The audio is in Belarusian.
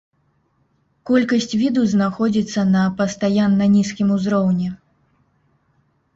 Колькасць віду знаходзіцца на пастаянна нізкім узроўні.